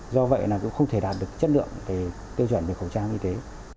do vậy cũng không thể đạt được chất lượng để tiêu chuẩn về khẩu trang y tế